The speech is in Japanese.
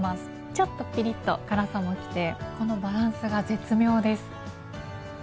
ちょっとピリッと辛さもきてこのバランスが絶妙です。